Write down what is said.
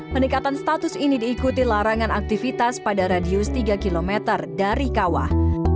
peningkatan status ini diikuti larangan aktivitas pada radius tiga km dari kawah